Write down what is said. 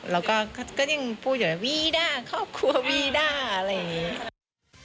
แล้วก็ก็ยังพูดอยู่ว่าวีด้าครอบครัววีด้าอะไรอย่างนี้